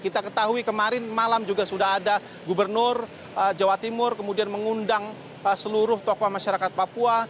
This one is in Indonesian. kita ketahui kemarin malam juga sudah ada gubernur jawa timur kemudian mengundang seluruh tokoh masyarakat papua